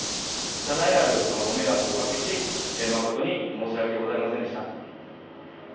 多大なるご迷惑をおかけし、誠に申し訳ございませんでした。